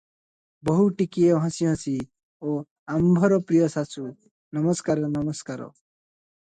ବୋହୁ ଟିକିଏ ହସି ହସି 'ଓ ଆମ୍ଭର ପ୍ରିୟ ଶାଶୁ! ନମସ୍କାର -ନମସ୍କାର ।